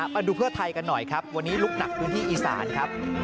มาดูเพื่อไทยกันหน่อยครับวันนี้ลุกหนักพื้นที่อีสานครับ